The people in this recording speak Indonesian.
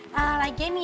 yaa bener itu